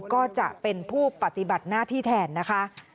ก็จะเป็นผู้ปฏิบัติหน้าที่แทนนะคะ